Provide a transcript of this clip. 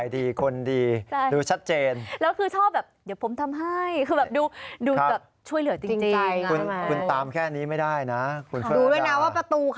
ดูมาน่าว่าประตูเขาอ่ะเปลี่ยนหรือยัง